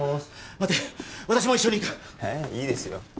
待て私も一緒に行くいいですよ